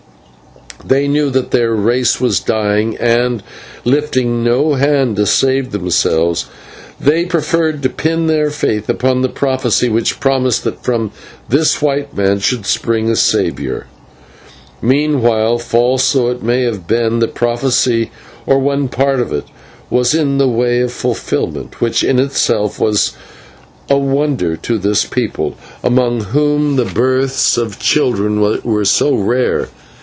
They knew that their race was dying and, lifting no hand to save themselves, they preferred to pin their faith upon the prophecy which promised that from this white man should spring a saviour. Meanwhile, false though it may have been, the prophecy, or one part of it, was in the way of fulfilment, which in itself was a wonder to this people, among whom the births of children were so rare.